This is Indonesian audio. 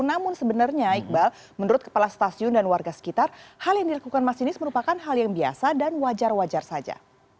namun sebenarnya iqbal menurut kepala stasiun dan warga sekitar hal yang dilakukan masinis merupakan hal yang biasa dan wajar wajar saja